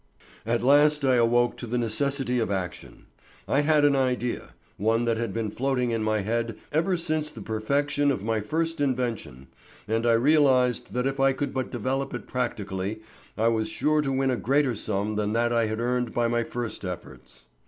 At last I awoke to the necessity of action. I had an idea—one that had been floating in my head ever since the perfection of my first invention, and I realized that if I could but develop it practically I was sure to win a greater sum than that I had earned by my first efforts.